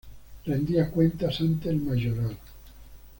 Rendía cuentas ante el mayoral.